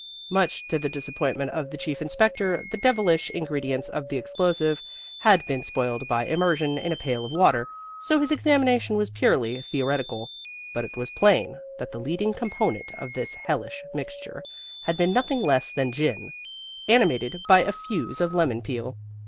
Much to the disappointment of the chief inspector, the devilish ingredients of the explosive had been spoiled by immersion in a pail of water, so his examination was purely theoretical; but it was plain that the leading component of this hellish mixture had been nothing less than gin, animated by a fuse of lemon peel.